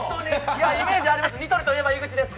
イメージあります。